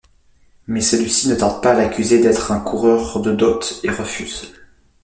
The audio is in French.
Mais celui-ci ne tarde pas à l’accuser d’être un coureur de dot et refuse.